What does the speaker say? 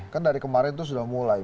kan dari kemarin itu sudah mulai